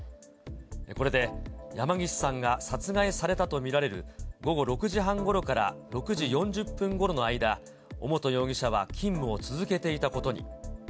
これで山岸さんが殺害されたと見られる午後６時半ごろから６時４０分ごろの間、尾本容疑者は勤務を続けていたことに。